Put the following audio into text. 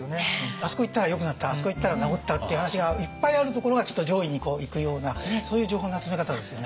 あそこ行ったらよくなったあそこ行ったら治ったっていう話がいっぱいあるところがきっと上位にいくようなそういう情報の集め方ですよね。